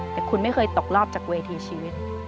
แต่คุณไม่เคยตกรอบจากเวทีชีวิต